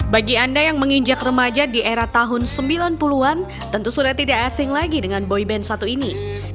bagi anda yang menginjak remaja di era tahun sembilan puluh an tentu sudah tidak asing lagi dengan boyband satu ini